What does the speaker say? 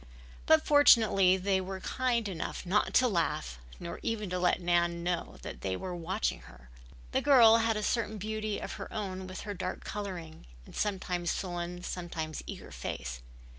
But fortunately they were kind enough not to laugh nor even to let Nan know that they were watching her. The girl had a certain beauty of her own with her dark coloring and sometimes sullen, sometimes eager, face.